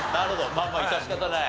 まあまあ致し方ない。